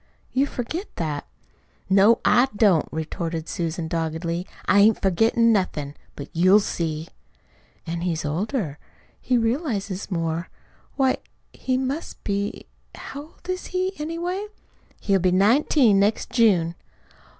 You forget that." "No, I don't," retorted Susan doggedly. "I ain't forgettin' nothin'. 'But you'll see!" "An' he's older. He realizes more. Why, he must be How old is he, anyway?" "He'll be nineteen next June."